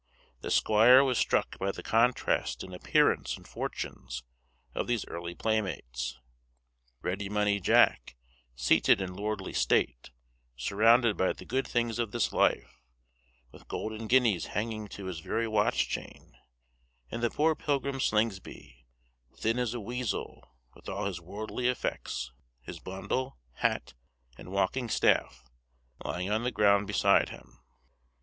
The squire was struck by the contrast in appearance and fortunes of these early playmates. Ready Money Jack, seated in lordly state, surrounded by the good things of this life, with golden guineas hanging to his very watch chain, and the poor pilgrim Slingsby, thin as a weasel, with all his worldly effects, his bundle, hat, and walking staff, lying on the ground beside him.